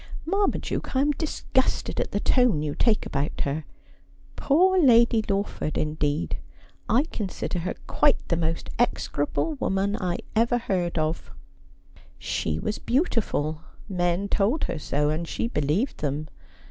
' Marmaduke, I am disgusted at the tone you take about her. Poor Lady Lawford indeed ! I consider her quite the most execrable woman I ever heard of.' ' She was beautiful ; men told her so, and she believed them.